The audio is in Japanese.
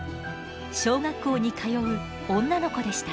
小学校に通う女の子でした。